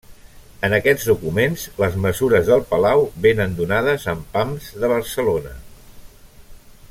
En aquests documents les mesures del palau vénen donades amb pams de Barcelona.